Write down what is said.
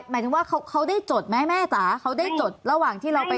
หมายถึงว่าเขาได้จดไหมแม่จ๋าเขาได้จดระหว่างที่เราไป